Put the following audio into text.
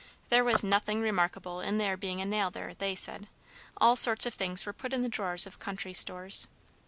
There was nothing remarkable in there being a nail there, they said; all sorts of things were put in the drawers of country stores.